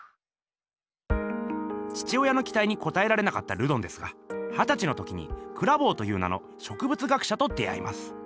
父親のきたいにこたえられなかったルドンですがはたちの時にクラヴォーという名の植物学者と出会います。